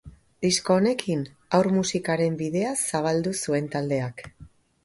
Disko honekin haur musikaren bidea zabaldu zuen taldeak.